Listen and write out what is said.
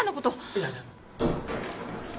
いやでも。